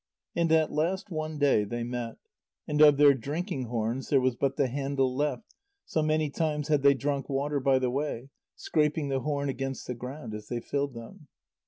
And at last one day, they met and of their drinking horns there was but the handle left, so many times had they drunk water by the way, scraping the horn against the ground as they filled them.